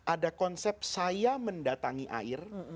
ada konsep saya mendatangi air